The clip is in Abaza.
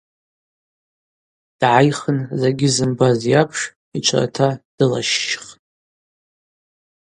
Дгӏайхын закӏгьи зымбаз йапш йчварта дылащщхтӏ.